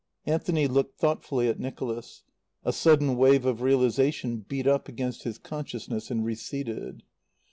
Anthony looked thoughtfully at Nicholas. A sudden wave of realization beat up against his consciousness and receded.